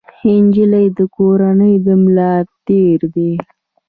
نجلۍ د کورنۍ د ملا تیر دی.